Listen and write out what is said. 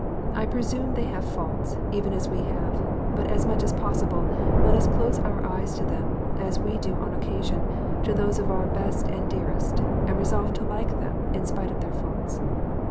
I presume they have faults, even as we have, but as much as possible let us close our eyes to them, as we do, on occasion, to those of our best and dearest, and resolve to like them, in spite of their faults."